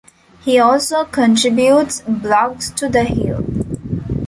He also contributes blogs to "The Hill".